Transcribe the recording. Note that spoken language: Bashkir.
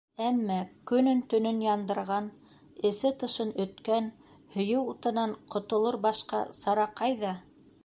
Әммә көнөн-төнөн яндырған, эсе-тышын өткән һөйөү утынан ҡотолор башҡа сара ҡайҙа?!